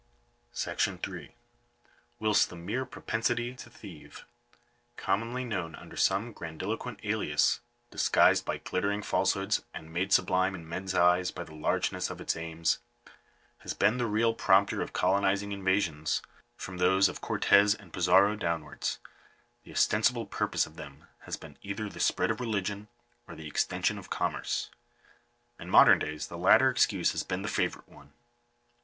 §3. Whilst the mere propensity to thieve, — commonly known under some grandiloquent alias, disguised by glittering false Digitized by VjOOQIC GOVERNMENT COLONIZATION. 361 hoods, and made sublime in men's eyes by the largeness of its aims, — has been the real prompter of colonizing invasions, from those of Cortez and Fizarro downwards, the ostensible purpose of them has been either the spread of religion or the extension of commerce. In modern days the latter excuse has been the favourite one.